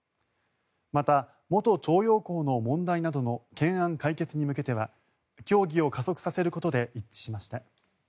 また元徴用工の問題などの懸案解決に向けては協議を加速させることで一致しました。